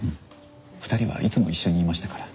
２人はいつも一緒にいましたから。